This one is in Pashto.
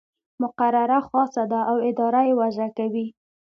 مقرره خاصه ده او اداره یې وضع کوي.